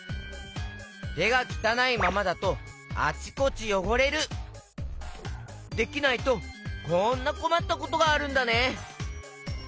てがきたないままだとできないとこんなこまったことがあるんだね！